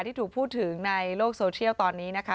ที่ถูกพูดถึงในโลกโซเชียลตอนนี้นะคะ